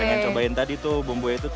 pengen cobain tadi tuh bumbunya itu